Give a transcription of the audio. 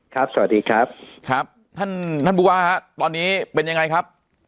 ครับสวัสดีครับครับท่านผู้ว่าตอนนี้เป็นยังไงครับ